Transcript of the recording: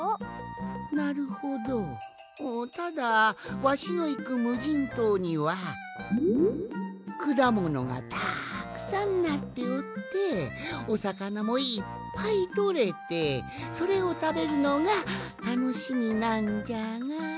なるほどただわしのいくむじんとうにはくだものがたくさんなっておっておさかなもいっぱいとれてそれをたべるのがたのしみなんじゃが。